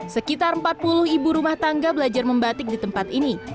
sekitar empat puluh ibu rumah tangga belajar membatik di tempat ini